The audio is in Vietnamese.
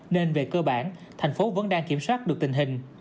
nên về cơ bản thành phố vẫn đang kiểm soát được tình hình